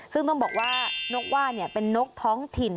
ซึ่งต้องบอกว่านกว่าเป็นนกท้องถิ่น